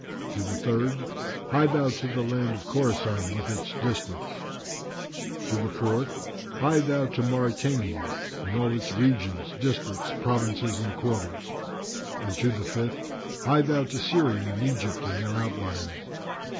To the third, "Hie thou to the land of Khorasan with its districts." To the fourth, "Hie thou to Mauritania and all its regions, districts, provinces and quarters." And to the fifth, "Hie thou to Syria and Egypt and their outliers."